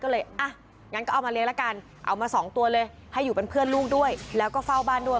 ก็เลยอ่ะงั้นก็เอามาเลี้ยละกันเอามาสองตัวเลยให้อยู่เป็นเพื่อนลูกด้วยแล้วก็เฝ้าบ้านด้วย